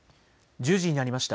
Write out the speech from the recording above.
１０時になりました。